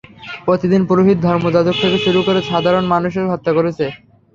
প্রতিদিন পুরোহিত, ধর্মযাজক থেকে শুরু করে সাধারণ মানুষকে হত্যা করা হচ্ছে।